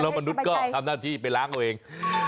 อืมมนุษย์มนุษย์ก็ทำหน้าที่ไปล้างเขาเอง